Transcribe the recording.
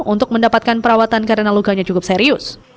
untuk mendapatkan perawatan karena lukanya cukup serius